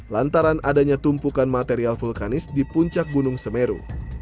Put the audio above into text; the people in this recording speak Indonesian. lantaran adanya tumpukan material vulkanis di puncak gunung semeru